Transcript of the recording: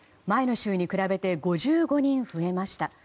前の週に比べて５５人増えました。